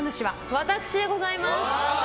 私でございます。